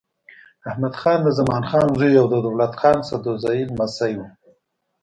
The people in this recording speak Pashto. احمدخان د زمان خان زوی او د دولت خان سدوزايي لمسی و.